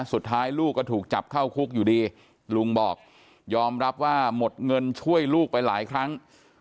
สุดท้ายลูกก็ถูกจับเข้าคุกอยู่ดีลุงบอกยอมรับว่าหมดเงินช่วยลูกไปหลายครั้ง